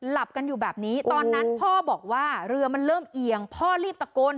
หลับกันอยู่แบบนี้ตอนนั้นพ่อบอกว่าเรือมันเริ่มเอียงพ่อรีบตะโกน